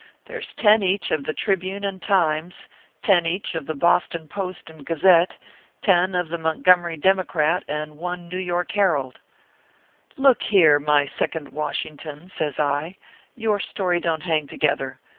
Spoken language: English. There s ten each of the Tribune and Times, ten each of the Boston Post and Gazette, ten of the Montgomery Democrat, and one New York Herald" "Look here ! my second Washington/ says I, " your story don t hang together.